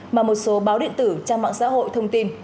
mà một số báo điện tử trang mạng xã hội thông tin